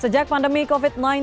sejak pandemi covid sembilan belas